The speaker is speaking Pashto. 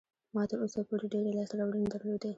ما تر اوسه پورې ډېرې لاسته راوړنې درلودې.